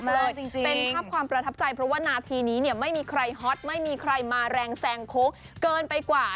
เลยจริงเป็นภาพความประทับใจเพราะว่านาทีนี้เนี่ยไม่มีใครฮอตไม่มีใครมาแรงแซงโค้กเกินไปกว่า